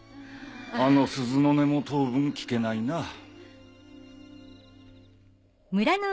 あの鈴の音も当分聞けないなぁ。